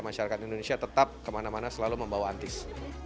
masyarakat indonesia tetap kemana mana selalu membawa antis